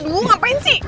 aduh ngapain sih